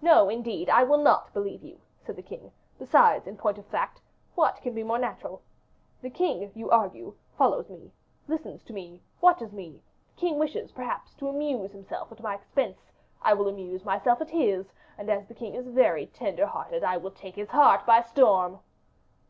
"No, indeed, I will not believe you," said the king. "Besides, in point of fact, what can be more natural? The king, you argue, follows me, listens to me, watches me; the king wishes perhaps to amuse himself at my expense, I will amuse myself at his, and as the king is very tender hearted, I will take his heart by storm."